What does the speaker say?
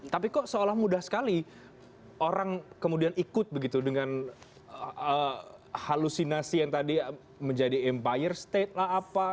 tapi kok seolah mudah sekali orang kemudian ikut begitu dengan halusinasi yang tadi menjadi empire state lah apa